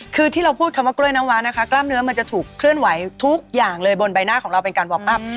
คือที่เราพูดคำว่ากล้วยน้ำว้านะคะกล้ามเนื้อมันจะถูกเคลื่อนไหวทุกอย่างเลยบนใบหน้าของเราเป็นการวอร์กอัพ